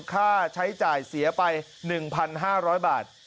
ค่าใช้จ่ายเสียไป๑๕๐๐บาท